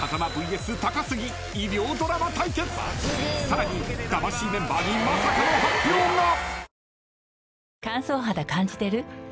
［さらに魂メンバーにまさかの発表が！］